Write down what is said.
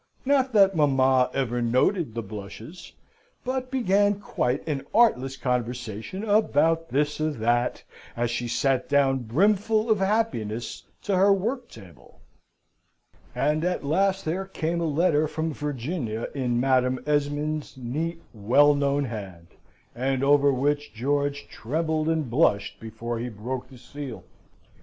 Not that mamma ever noted the blushes, but began quite an artless conversation about this or that, as she sate down brimful of happiness to her worktable. And at last there came a letter from Virginia in Madam Esmond's neat, well known hand, and over which George trembled and blushed before he broke the seal.